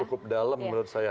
cukup dalam menurut saya